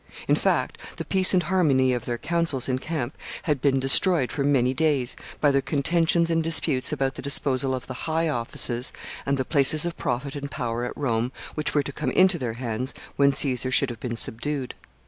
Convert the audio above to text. In fact, the peace and harmony of their councils in camp had been destroyed for many days by their contentions and disputes about the disposal of the high offices, and the places of profit and power at Rome, which were to come into their hands when Caesar should have been subdued.